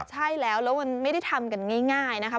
ใช่แล้วแล้วมันไม่ได้ทำกันง่ายนะคะ